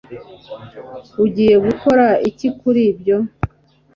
Ugiye gukora iki kuri ibyo